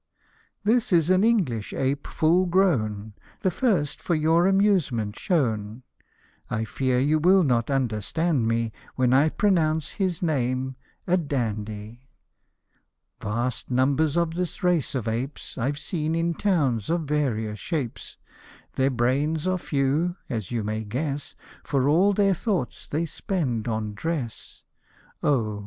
" This is an English ape full grown, The first for your amusement shown ; I fear you will not understand me, When I pronounce his name, a dandy : Vast numbers of this race of apes I've seen in town of various shapes ; Their brains are few, as you may guess, For, all their thoughts they spend on dress ; O !